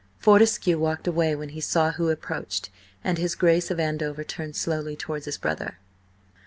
Fortescue walked away when he saw who approached, and his Grace of Andover turned slowly towards his brother.